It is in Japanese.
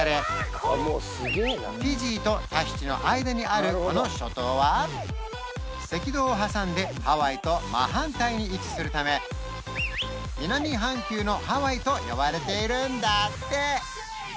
フィジーとタヒチの間にあるこの諸島は赤道を挟んでハワイと真反対に位置するため南半球のハワイと呼ばれているんだって